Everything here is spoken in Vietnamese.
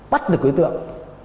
bắt được đối tượng